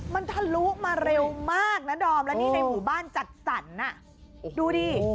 มันทะลุมาเร็วมากนะดอมแล้วนี่ในหมู่บ้านจัดสรรดูดิ